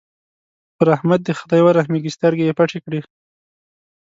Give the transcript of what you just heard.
پر احمد دې خدای ورحمېږي؛ سترګې يې پټې کړې.